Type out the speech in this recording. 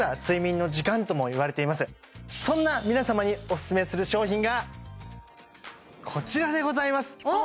そんな皆さまにオススメする商品がこちらでございますあっ！